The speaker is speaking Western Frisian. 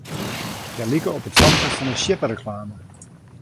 Hja like op it famke fan 'e sjippereklame.